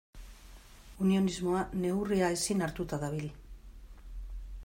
Unionismoa neurria ezin hartuta dabil.